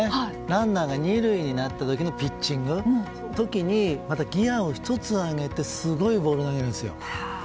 ランナーが２塁になった時のピッチングの時にまたギアを１つ上げてすごいボールを投げるんですよ。